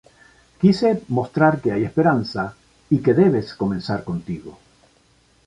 Quise mostrar que hay esperanza, y que debes comenzar contigo.